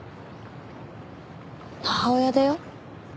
母親だよ。